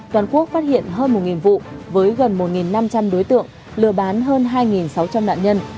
toàn quốc phát hiện hơn một vụ với gần một năm trăm linh đối tượng lừa bán hơn hai sáu trăm linh nạn nhân